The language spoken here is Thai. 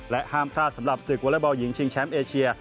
ห้ามพลาดสำหรับศึกวอเล็กบอลหญิงชิงแชมป์เอเชีย